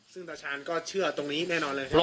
ซึ่งตาชาญก็เชื่อตรงนี้แน่นอนเลย